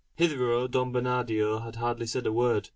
Hitherto Don Bernardino had hardly said a word.